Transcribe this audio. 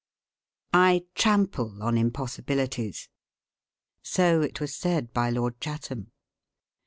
"I TRAMPLE ON IMPOSSIBILITIES": So it was said by Lord Chatham.